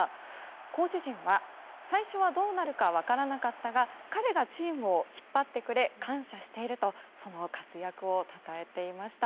コーチ陣は、最初はどうなるか分からなかったが彼がチームを引っ張ってくれ感謝しているとその活躍をたたえていました。